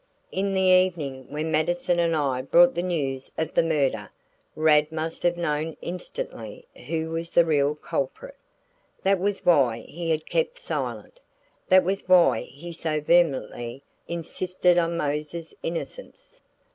In the evening when Mattison and I brought the news of the murder, Rad must have known instantly who was the real culprit. That was why he had kept silent; that was why he so vehemently insisted on Mose's innocence.